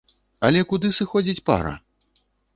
Але куды сыходзіць пара?